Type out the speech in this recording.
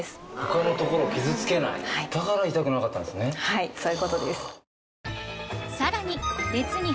はいそういうことです。